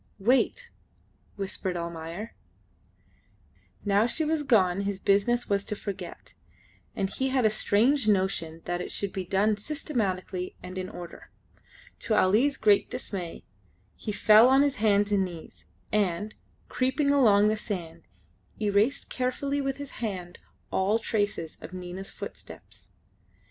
"Wait," whispered Almayer. Now she was gone his business was to forget, and he had a strange notion that it should be done systematically and in order. To Ali's great dismay he fell on his hands and knees, and, creeping along the sand, erased carefully with his hand all traces of Nina's footsteps.